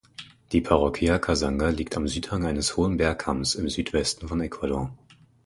Die Parroquia Casanga liegt am Südhang eines hohen Bergkamms im Südwesten von Ecuador.